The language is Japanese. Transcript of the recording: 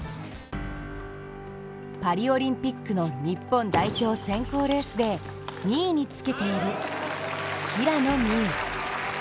パリオリンピックの日本代表選考レースで２位につけている平野美宇。